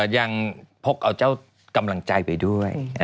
ยังพกเอาเจ้ากำลังใจไปด้วย